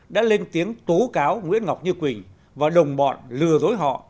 đã lên tiếng tố cáo nguyễn ngọc như quỳnh và đồng bọn lừa dối họ